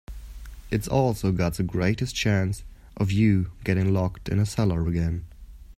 It's also got the greatest chance of you getting locked in a cellar again.